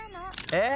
えっ⁉